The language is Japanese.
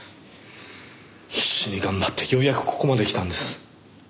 必死に頑張ってようやくここまできたんです。